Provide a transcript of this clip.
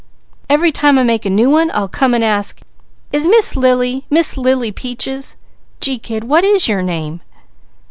Every time I make a new one I'll come and ask, 'Is Miss Lily Miss Lily Peaches ' Gee kid, _what's your name?